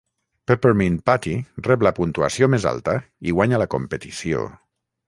Peppermint Patty rep la puntuació més alta i guanya la competició.